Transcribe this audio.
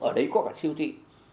ở đấy có cả siêu thị